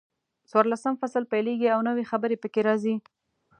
څلورلسم فصل پیلېږي او نوي خبرې پکې راځي.